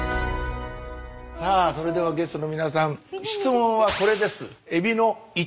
さあそれではゲストの皆さん質問はこれです。